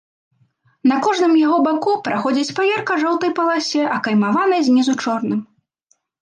На кожным яго баку праходзіць па ярка-жоўтай паласе, акаймаванай знізу чорным.